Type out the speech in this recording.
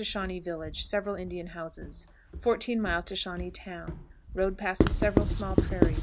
Shawnee Village. Several Indian houses. 14. Shawnee Town. Road passes several small prairies.